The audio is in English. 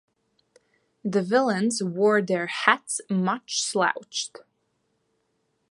The villains wore their hats much slouched.